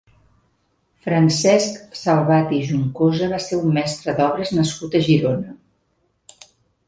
Francesc Salvat i Juncosa va ser un mestre d'obres nascut a Girona.